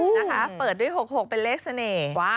นะคะเปิดด้วย๖๖เป็นเลขเสน่ห์